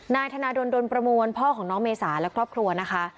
นายธนาดลดลประมวลพ่อของน้องเมษาและครอบครัวนะคะ